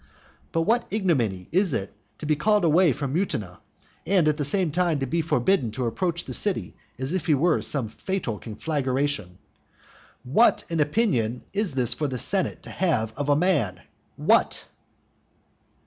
But what ignominy it is to be called away from Mutina, and at the same time to be forbidden to approach the city as if he were some fatal conflagration! what an opinion is this for the senate to have of a man! What?